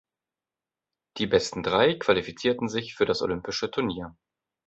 Die besten drei qualifizierten sich für das Olympische Turnier.